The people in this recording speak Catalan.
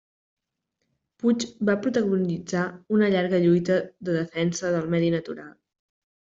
Puig va protagonitzar una llarga lluita en defensa del medi natural.